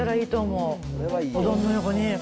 うどんの横に。